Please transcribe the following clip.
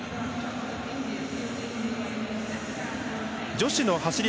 女子の走り